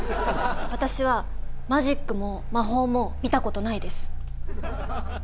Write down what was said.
私はマジックも魔法も見たことないです。